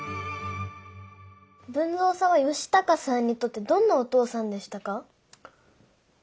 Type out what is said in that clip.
豊造さんは嘉孝さんにとってどんなお父さんでしたか？